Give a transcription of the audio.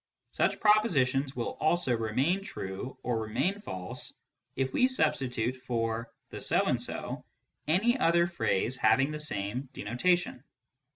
Such propositions will also remain true or remain false if we substitute for " the so and so " any other phrase having the same denotation.